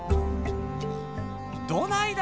どないだ？